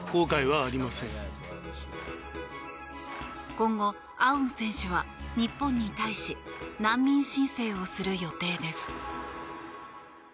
今後アウン選手は、日本に対し難民申請をする予定です。